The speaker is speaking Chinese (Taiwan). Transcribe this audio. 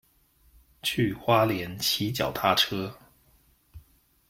去花蓮騎腳踏車